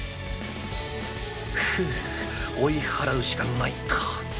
ふう追い払うしかないか。